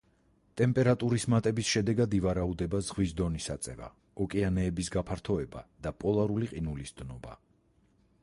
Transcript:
ტემპერატურის მატების შედეგად ივარაუდება ზღვის დონის აწევა, ოკეანეების გაფართოება და პოლარული ყინულის დნობა.